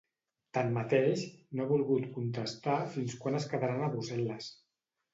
Tanmateix, no ha volgut contestar fins quan es quedaran a Brussel·les.